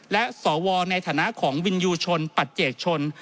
และสวในฐานะของวินยูชนปัจเจกชน